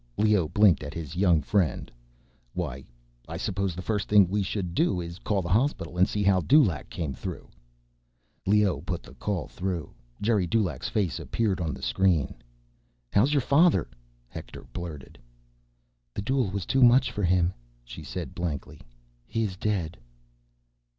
Leoh blinked at his young friend. "Why ... I suppose the first thing we should do is call the hospital and see how Dulaq came through." Leoh put the call through. Geri Dulaq's face appeared on the screen. "How's your father?" Hector blurted. "The duel was too much for him," she said blankly. "He is dead."